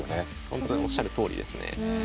ほんとにおっしゃるとおりですね。